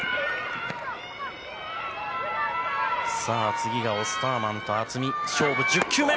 次がオスターマンと渥美勝負、１０球目。